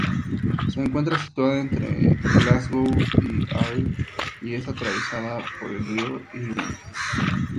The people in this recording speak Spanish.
Se encuentra situada entre Glasgow y Ayr y es atravesada por el río Irvine.